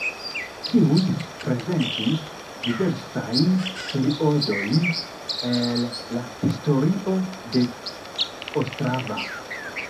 Tiuj prezentis diversajn periodojn el la historio de Ostrava.